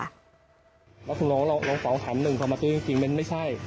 แล้วคุณลงลง๒แถม๑หมันตูจริงมันไม่ใช่